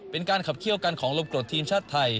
เป็นการขับเคี่ยวกันของลมกรดทีมชาติไทย